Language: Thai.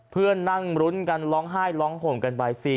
เพื่อนนั่งรุ้นกันร้องไห้ร้องห่มกันไป